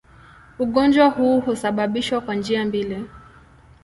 Ugonjwa huu husababishwa kwa njia mbili.